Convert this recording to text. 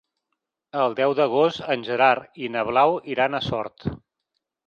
El deu d'agost en Gerard i na Blau iran a Sort.